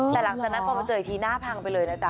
แต่หลังจากนั้นพอมาเจออีกทีหน้าพังไปเลยนะจ๊